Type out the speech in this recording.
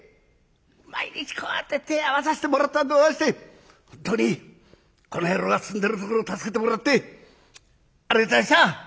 毎日こうやって手合わさせてもらったんでござんして本当にこの野郎がすんでのところを助けてもらってありがとうございました！